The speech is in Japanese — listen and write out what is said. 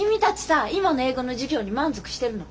今の英語の授業に満足してるの？